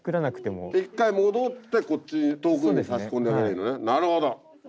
１回戻ってこっち遠くに刺し込んであげればいいのねなるほど。